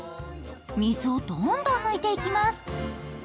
水をどんどん抜いていきます。